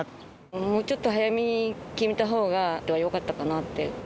もうちょっと早めに決めたほうがよかったかなって。